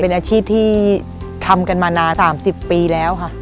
เป็นอาชีพที่ทำกันมานาน๓๐ปีแล้วค่ะ